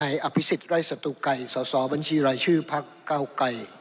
ในอภิษฐ์ไร้สัตว์ไกรส่อบัญชีรายชื่อภาคเก้าไกร